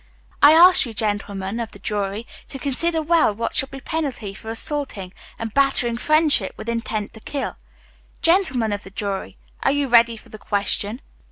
I ask you, Gentlemen of the jury, to consider well what shall be the penalty for assaulting and battering friendship with intent to kill. Gentlemen of the jury, are you ready for the question?"